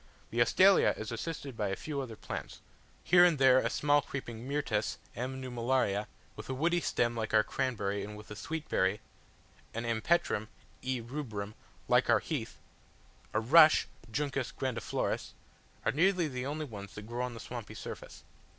The Astelia is assisted by a few other plants, here and there a small creeping Myrtus (M. nummularia), with a woody stem like our cranberry and with a sweet berry, an Empetrum (E. rubrum), like our heath, a rush (Juncus grandiflorus), are nearly the only ones that grow on the swampy surface.